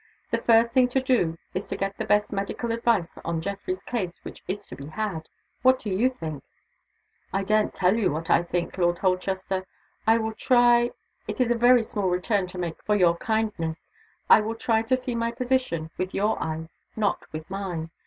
The first thing to do is to get the best medical advice on Geoffrey's case which is to be had. What do you think?" "I daren't tell you what I think, Lord Holchester. I will try it is a very small return to make for your kindness I will try to see my position with your eyes, not with mine.